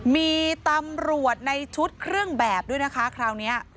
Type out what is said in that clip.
มีตำรวจในชุดเครื่องแบบด้วยนะคะคราวนี้